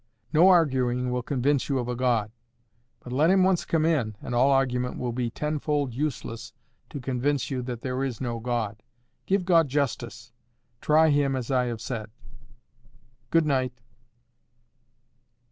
No arguing will convince you of a God; but let Him once come in, and all argument will be tenfold useless to convince you that there is no God. Give God justice. Try Him as I have said.—Good night."